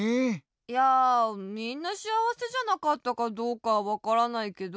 いやみんなしあわせじゃなかったかどうかわからないけど。